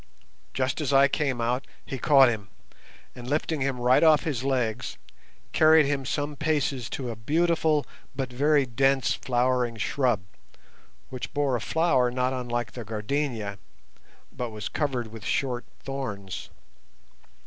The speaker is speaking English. Just as I came out he caught him, and, lifting him right off his legs, carried him some paces to a beautiful but very dense flowering shrub which bore a flower not unlike the gardenia, but was covered with short thorns.